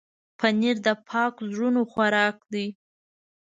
پنېر د پاک زړونو خوراک دی.